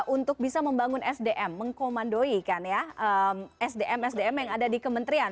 untuk bisa membangun sdm mengkomandoikan sdm sdm yang ada di kementerian